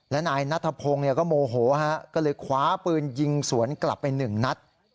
และนายนัทพงศ์ก็โมโหก็เลยคว้าปืนยิงสวนกลับไปหนึ่งนัด